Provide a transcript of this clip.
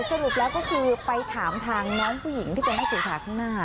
สรุปแล้วก็คือไปถามทางน้องผู้หญิงที่เป็นนักศึกษาข้างหน้า